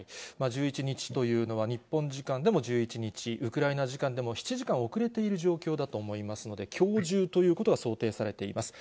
１１日というのは、日本時間でも１１日、ウクライナ時間でも７時間遅れている状況だと思いますので、きょう中ということが想定されています。